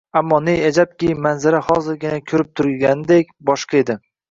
ammo, ne ajab-ki, manzara hozirgina ko‘rib turilganidan... boshqa edi!